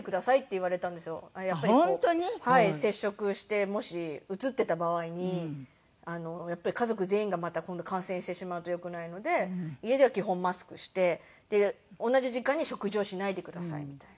接触してもしうつってた場合に家族全員がまた今度感染してしまうとよくないので家では基本マスクして同じ時間に食事をしないでくださいみたいな。